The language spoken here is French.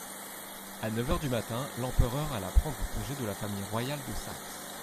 À neuf heures du matin, l'empereur alla prendre congé de la famille royale de Saxe.